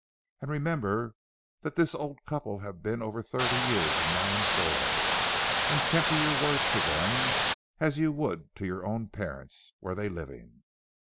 And remember, that this old couple have been over thirty years in my employ, and temper your words to them as you would to your own parents, were they living.